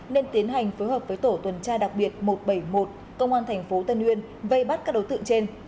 nên tiến hành phối hợp với tổ tuần tra đặc biệt một trăm bảy mươi một công an tp tân uyên vây bắt các đối tượng trên